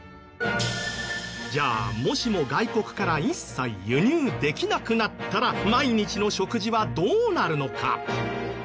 じゃあもしも外国から一切輸入できなくなったら毎日の食事はどうなるのか？